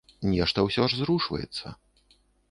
Нешта ўсё ж зрушваецца.